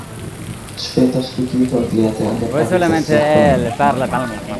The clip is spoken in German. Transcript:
Später studierte und lehrte er an der Pariser Sorbonne.